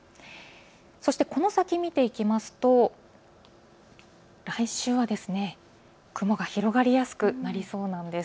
そしてこの先見ていきますと来週は雲が広がりやすくなりそうなんです。